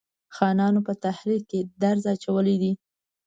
خانانو په تحریک کې درز اچولی دی.